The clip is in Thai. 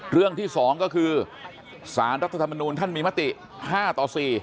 เรื่องที่๒ก็คือสารรัฐธรรมนูลท่านมีมติ๕ต่อ๔